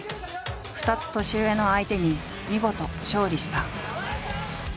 ２つ年上の相手に見事勝利した。